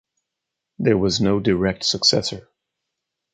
There was no direct successor.